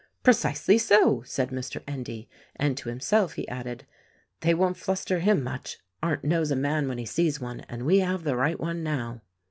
"Precisely so!" said Mr. Endy. And to himself he added, "They won't fluster him much ; Arndt knows a man when he sees one, and we 'have the rijrht one now."